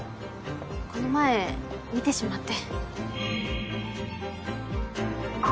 この前見てしまって。